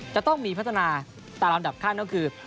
จะต้องมีพัฒนาตามลำดับขั้นก็คือ